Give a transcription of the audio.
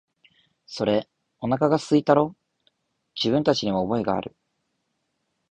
それ、おなかが空いたろう、自分たちにも覚えがある、